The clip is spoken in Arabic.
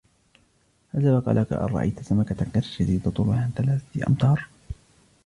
هل سبق لك أن رأيت سمكة قرش يزيد طولها عن ثلاثة أمتار؟